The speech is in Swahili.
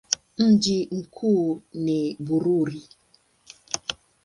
Mji mkuu ni Bururi.